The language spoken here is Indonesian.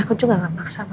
aku juga gak maksa mama